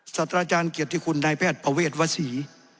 สัตว์อาจารย์เกียรติคุณนายแพทย์ประเวทวศรี